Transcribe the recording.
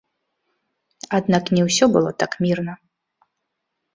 Аднак не ўсё было так мірна.